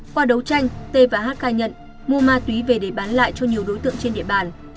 qua đấu tranh t và hát khai nhận mua ma túy về để bán lại cho nhiều đối tượng trên địa bàn